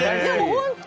本当！